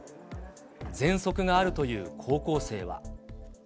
ぜんそくがあるという高校生は。